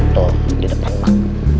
tuh di depan mak